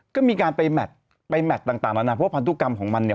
ก็มีการไปแมทไปแมทต่างนานาเพราะพันธุกรรมของมันเนี่ย